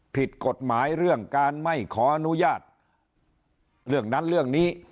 ผิดกฎหมายเรื่องการไม่ขออนุญาตเรื่องนั้นเรื่องนี้